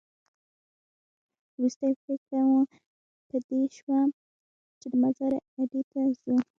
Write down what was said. وروستۍ پرېکړه مو په دې شوه چې د مزار اډې ته ځو.